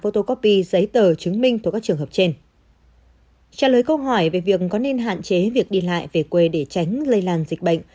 trả lời câu hỏi về việc có nên hạn chế việc đi lại về quê để tránh lây lan dịch bệnh